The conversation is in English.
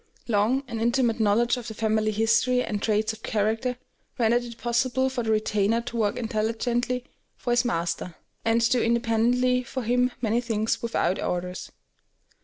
Long and intimate knowledge of the family history and traits of character rendered it possible for the retainer to work intelligently for his master, and do independently for him many things without orders.